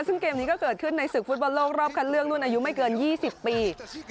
ซึ่งเกมนี้ก็เกิดขึ้นในศึกฟุตบอลโลกรอบคัดเลือกรุ่นอายุไม่เกิน๒๐ปี